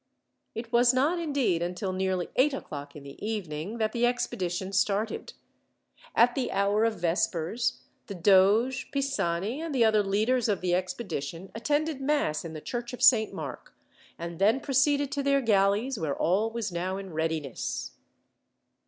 It was not, indeed, until nearly eight o'clock in the evening, that the expedition started. At the hour of vespers, the doge, Pisani, and the other leaders of the expedition, attended mass in the church of Saint Mark, and then proceeded to their galleys, where all was now in readiness.